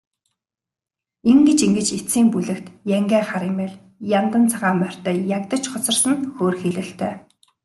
Ингэж ингэж эцсийн бүлэгт янгиа хар эмээл, яндан цагаан морьтой ягдаж хоцорсон нь хөөрхийлөлтэй.